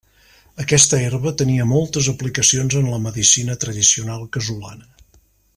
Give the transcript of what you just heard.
Aquesta herba tenia moltes aplicacions en la medicina tradicional casolana.